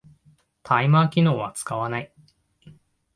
タイマー機能は使わない